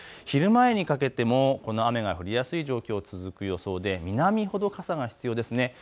昼前にかけても雨が降りやすい状況続く予想で南ほど傘が必要です。